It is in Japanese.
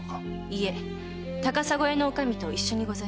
いえ高砂屋の女将と一緒にございました。